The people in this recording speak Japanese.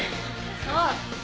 そう。